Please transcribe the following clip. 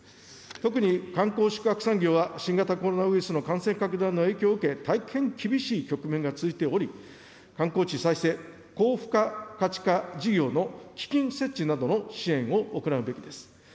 特に、観光、宿泊産業は、新型コロナウイルスの感染拡大の影響を受け、大変厳しい局面が続いており、観光地再生・高付加価値化事業の基金設置などの支援を行うべきです。